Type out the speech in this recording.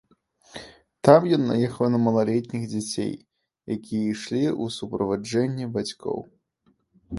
Там ён наехаў на малалетніх дзяцей, якія ішлі ў суправаджэнні бацькоў.